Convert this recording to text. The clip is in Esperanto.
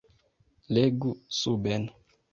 Legu suben.